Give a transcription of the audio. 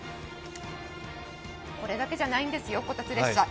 これだけじゃないんです、こたつ列車。